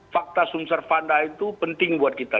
fakta sumservanda itu penting buat kita